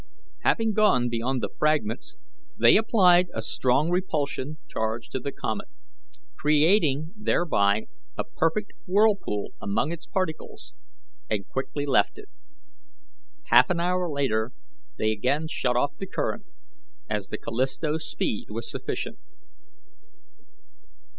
Having gone beyond the fragments, they applied a strong repulsion charge to the comet, creating thereby a perfect whirlpool among its particles, and quickly left it. Half an hour later they again shut off the current, as the Callisto's speed was sufficient.